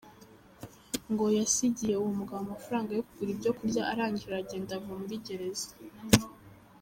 Ngo yasigiye uwo mugabo amafaranga yo kugura ibyo kurya arangije aragenda ava kuri gereza.